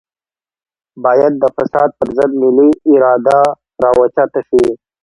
بايد د فساد پر ضد ملي اراده راوچته شي.